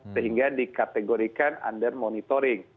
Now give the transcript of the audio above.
sehingga dikategorikan under monitoring